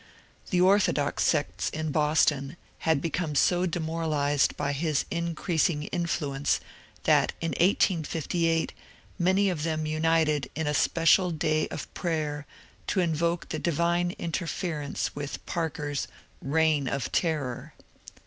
The orthodox sects in Boston had become so demoralized by his increasing influence that in 1858 many of them united in a special day of prayer to invoke the divine interference with Parker's " reign of terror."